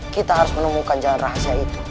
kita harus menemukan jalan rahasia itu